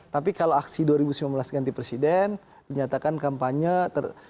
tapi kalau aksi dua ribu sembilan belas ganti presiden dinyatakan kampanye